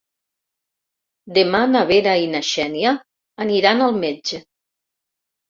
Demà na Vera i na Xènia aniran al metge.